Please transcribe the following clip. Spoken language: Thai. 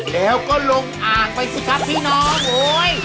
แล้วก็ลงอ่างไปสิครับพี่น้องโอ๊ย